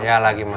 maria lagi makan